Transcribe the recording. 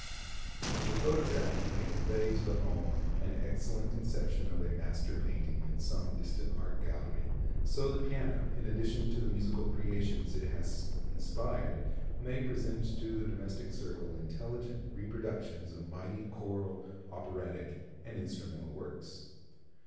As a photograph may convey to the home an excellent conception of a master painting in some distant art gallery, so the piano, in addition to the musical creations it has inspired, may present to the domestic circle intelligent reproductions of mighty choral, operatic and instrumental works.